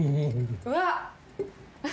うわっ。